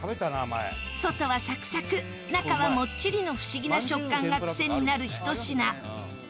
外はサクサク中はモッチリの不思議な食感が癖になるひと品